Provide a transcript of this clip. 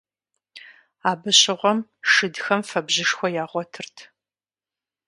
Абы щыгъуэм шыдхэм фэбжьышхуэ ягъуэтырт.